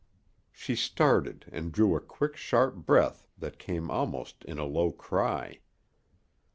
She started and drew a quick, sharp breath that came almost in a low cry.